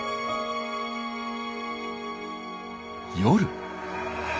夜。